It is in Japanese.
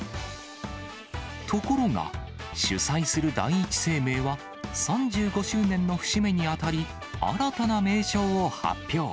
ところが、主催する第一生命は、３５周年の節目にあたり、新たな名称を発表。